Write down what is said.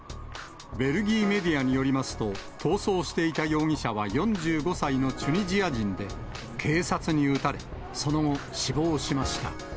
ベルギーメディアによりますと、逃走していた容疑者は４５歳のチュニジア人で、警察に撃たれ、その後、死亡しました。